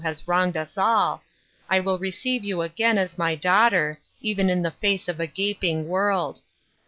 233 has wronged us all, I will receive you again as my daughter, even in the face of a gaping world.